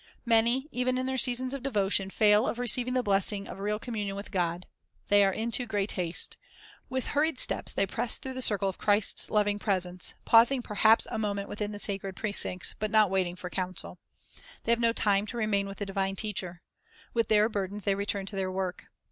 ''' Many, even in their seasons of devotion, fail of receiving the blessing of real communion with God. They are in too great haste. With hurried steps they press through the circle of Christ's loving presence, pausing perhaps a moment within the sacred precincts, but not waiting for counsel. The)' have no time to remain with the divine Teacher. With their burdens they return to their work.